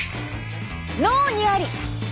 脳にあり！